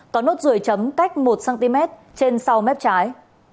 có nốt ruồi chấm cách một cm trên sau mép trái